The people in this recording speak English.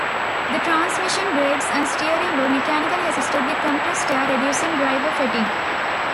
The transmission, brakes and steering were mechanically assisted with compressed air, reducing driver fatigue.